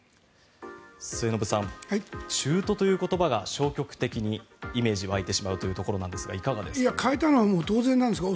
末延さん、中途という言葉が消極的にイメージが湧いてしまうということですがいかがですか。